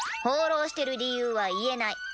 放浪してる理由は言えない。